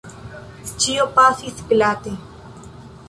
Ĉio pasis glate.